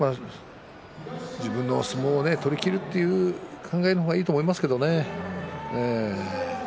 自分の相撲を取りきるという考えの方がいいと思いますけどね。